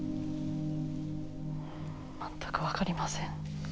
全く分かりません。